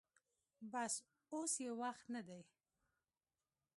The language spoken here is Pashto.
بس اوس يې وخت نه دې.